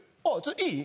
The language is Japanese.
いい？